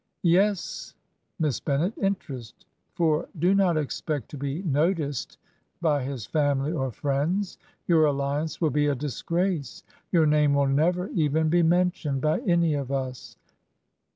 Yes, Miss Bennet, interest; for do not expect to be noticed by his family or friends. ... Your alliance will be a disgrace; your name will never even be mentioned by any of us.